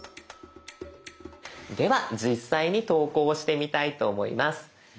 では実際に投稿してみたいと思います。